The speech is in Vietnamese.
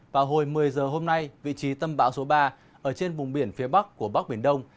vào hồi một mươi giờ hôm nay vị trí tâm bão số ba ở trên vùng biển phía bắc của bắc biển đông